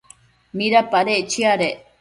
¿mitsipadec chiadec